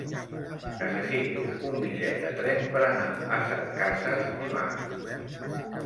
Necessito un bitllet de tren per anar a Setcases dimarts.